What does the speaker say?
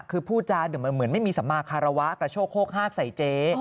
คือพูดจาเหมือนไม่มีสมาคารวะกระโชกโฮกฮากใส่เจ๊